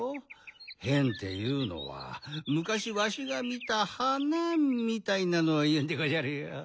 へんっていうのはむかしわしがみた花みたいなのをいうんでごじゃるよ。